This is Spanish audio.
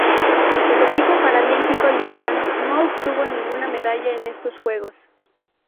El equipo paralímpico liberiano no obtuvo ninguna medalla en estos Juegos.